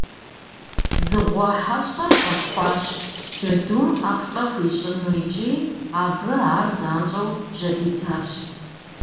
Дзыгъуэ хьэщӀэр щӀэпхъуащ, джэдум ӀэплӀэ хуищӀыну икӀи абы ар занщӀэу жьэдидзащ.